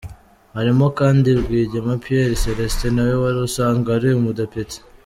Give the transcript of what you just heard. Harimo kandi Rwigema Pierre Celestin nawe wari usanzwe ari umudepite.